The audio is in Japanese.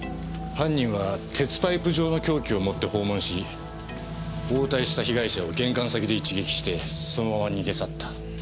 犯人は鉄パイプ状の凶器を持って訪問し応対した被害者を玄関先で一撃してそのまま逃げ去った。